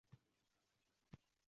Dunyoning shodligin ulashgin hayot